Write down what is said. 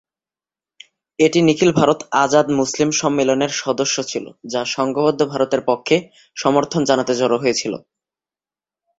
এটি নিখিল ভারত আজাদ মুসলিম সম্মেলনের সদস্য ছিল, যা সংঘবদ্ধ ভারতের পক্ষে সমর্থন জানাতে জড়ো হয়েছিল।